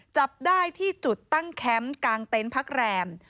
จับได้ที่จุดตั้งแคมป์กลางเต็นต์พักแรม